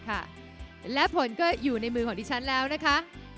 และผลก็อยู่ในมือของดิฉันแล้วนะคะ